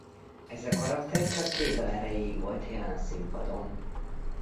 Ez a karakter csak két dal erejéig volt jelen a színpadon.